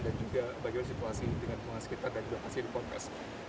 dan juga bagaimana situasi dengan keuangan sekitar dan juga sanksi di ponpes